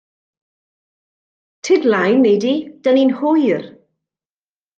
Tyd 'laen wnei di, 'dan ni'n hwyr.